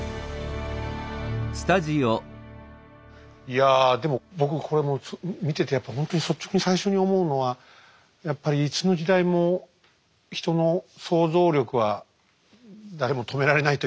いやでも僕これもう見ててやっぱほんとに率直に最初に思うのはやっぱりいつの時代も人の想像力は誰も止められないというか自由で。